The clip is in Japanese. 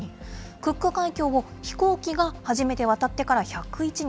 クック海峡を飛行機が初めて渡ってから１０１年。